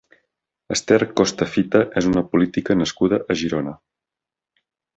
Ester Costa Fita és una política nascuda a Girona.